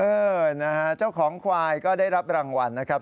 เออนะฮะเจ้าของควายก็ได้รับรางวัลนะครับ